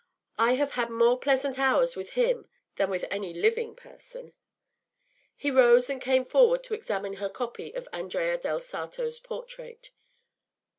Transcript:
I have had more pleasant hours with him than with any living person.” He rose and came forward to examine her copy of Andrea del Sarto’s portrait.